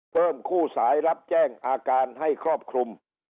คู่สายรับแจ้งอาการให้ครอบคลุม